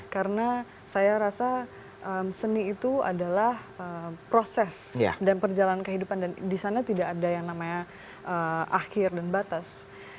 karena saya rasa seni itu adalah proses dan perjalanan kehidupan dan di sana tidak ada yang namanya akhir dan batas